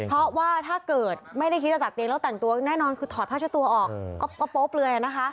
เพราะว่าถ้าเกิดไม่ได้คิดจะจัดเตียงแล้วแต่งตัวแน่นอนคือถอดผ้าเช็ดตัวออกก็โป๊บเลยนะคะ